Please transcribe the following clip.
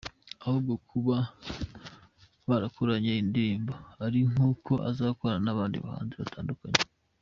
Ahubwo kuba barakoranye indirimbo ari nk’uko azakorana n’abandi bahanzi batandukanye.